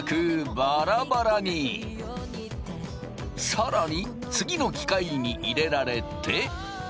更に次の機械に入れられて。